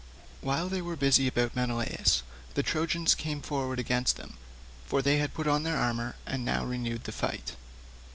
While they were thus busy about Menelaus, the Trojans came forward against them, for they had put on their armour, and now renewed the fight.